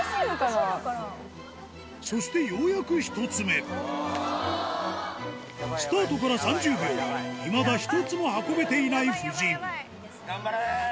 そしてようやく１つ目スタートから３０秒いまだ１つも運べていない夫人頑張れ！